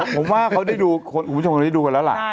ผมว่าเขาได้ดู